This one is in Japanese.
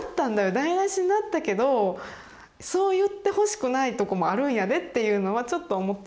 台なしになったけどそう言ってほしくないとこもあるんやで」っていうのはちょっと思っていて。